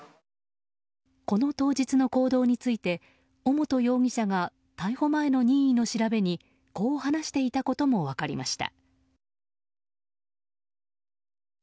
この当日の行動について尾本容疑者が逮捕前の任意の調べにこう話していたことも分かりました。